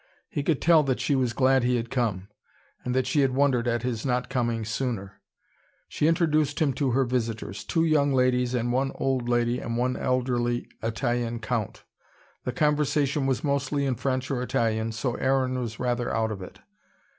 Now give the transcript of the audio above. He could tell that she was glad he had come, and that she had wondered at his not coming sooner. She introduced him to her visitors: two young ladies and one old lady and one elderly Italian count. The conversation was mostly in French or Italian, so Aaron was rather out of it.